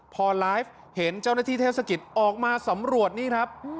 พอไลฟ์เห็นเจ้าหน้าที่เทศกิจออกมาสำรวจนี่ครับ